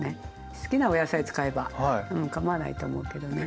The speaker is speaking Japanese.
好きなお野菜使えばかまわないと思うけどね。